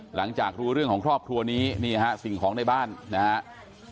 หลังจากรู้เรื่องของครอบครัวนี้นี่ฮะสิ่งของในบ้านนะครับ